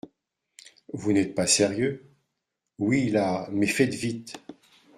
Vous n’êtes pas sérieux !… oui, là, mais faites vite !